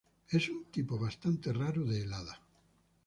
Es un tipo bastante raro de helada.